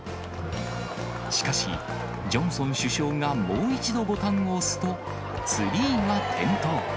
しかし、ジョンソン首相がもう一度ボタンを押すと、ツリーが点灯。